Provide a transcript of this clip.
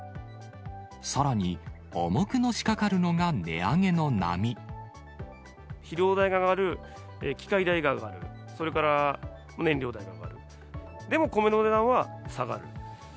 さらに、重くのしかかるのが肥料代が上がる、機械代が上がる、それから燃料代が上がる、でも、米の値段は下がる。